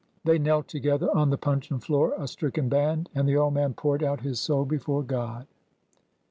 They knelt together on the puncheon floor — a stricken band— and the old man poured out his soul before God.